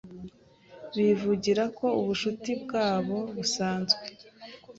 bivugira ko ubushuti bwabo busanzwe